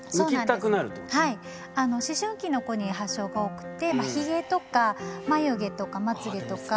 はい思春期の子に発症が多くってひげとか眉毛とかまつげとか。